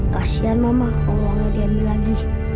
kasian mama uangnya diambil lagi